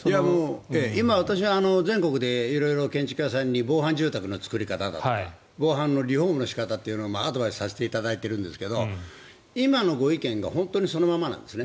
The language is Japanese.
今、私が全国で色々建築屋さんに防犯住宅の作り方とか防犯のリフォームの作り方とかをアドバイスさせていただいているんですが今のご意見が本当にそのままなんですね。